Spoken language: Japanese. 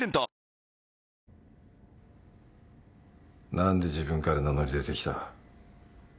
何で自分から名乗り出てきた？